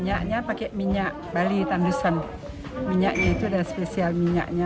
minyaknya pakai minyak bali tandusan minyaknya itu ada spesial minyaknya